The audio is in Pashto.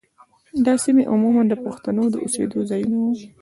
دا سیمې عموماً د پښتنو د اوسېدو ځايونه وو.